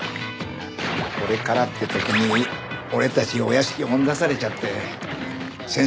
これからって時に俺たちお屋敷追い出されちゃって先生